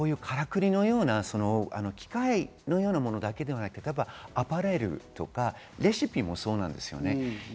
こういうからくりのような機械のようなものだけではなくて、アパレルとかレシピもそうです。